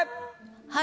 はい。